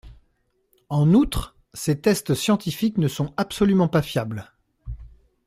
En outre, ces tests scientifiques ne sont absolument pas fiables.